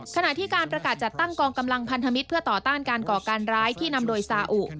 ขณะที่การประกาศจัดตั้งกองกำลังพันธมิตรเพื่อต่อต้านการก่อการร้ายที่นำโดยซาอุ